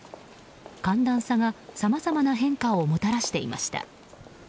寒暖差がさまざまな変化をもたらしていました。